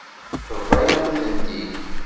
Tebḍa-yam-tent-id.